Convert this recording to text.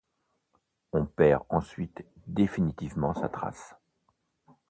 On perd ensuite définitivement sa trace.